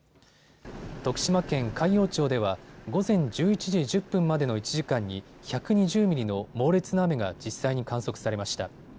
徳島県海陽町では午前１１時１０分までの１時間に１２０ミリの猛烈な雨が実際に観測されました。